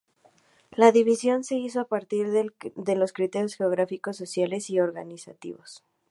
La división se hizo a partir de criterios geográficos, sociales y organizativos.